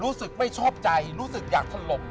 รู้สึกไม่ชอบใจรู้สึกอยากถล่ม